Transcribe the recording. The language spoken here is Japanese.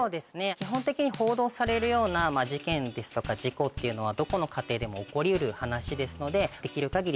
基本的に報道されるような事件ですとか事故っていうのはどこの家庭でも起こり得る話ですのでできる限り